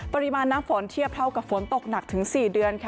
ปริมาณน้ำฝนเทียบเท่ากับฝนตกหนักถึง๔เดือนค่ะ